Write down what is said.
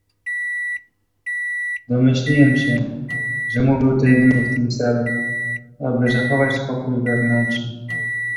"Domyśliłem się, że mówił to jedynie w tym celu, aby zachować spokój wewnętrzny."